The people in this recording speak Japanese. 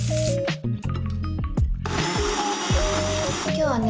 今日はね